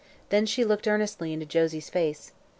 Then she looked earnestly into Josie's face.